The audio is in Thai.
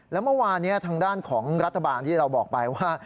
แล้วเมื่อวานนี้ทางด้านของรัฐบาลที่เราบอกไปว่า